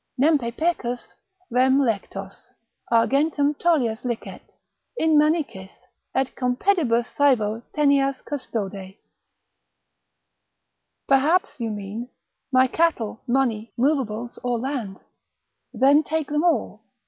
———nempe pecus, rem, Lectos, argentum tollas licet; in manicis, et Compedibus saevo teneas custode——— Perhaps, you mean, My cattle, money, movables or land, Then take them all.